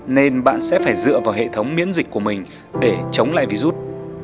nên bạn sẽ phải dựa vào hệ thống miễn dịch của mình để chống lại virus